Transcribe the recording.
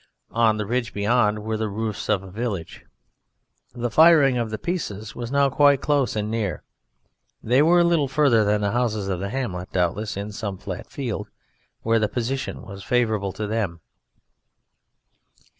On the ridge beyond were the roofs of a village. The firing of the pieces was now quite close and near. They were a little further than the houses of the hamlet, doubtless in some flat field where the position was favourable to them.